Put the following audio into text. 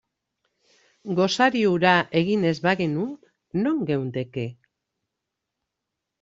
Gosari hura egin ez bagenu, non geundeke?